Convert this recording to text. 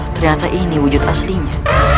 ternyata ini wujud aslinya